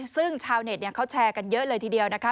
ซึ่งชาวเน็ตเขาแชร์กันเยอะเลยทีเดียวนะคะ